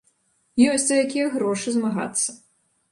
Ёсць за якія грошы змагацца!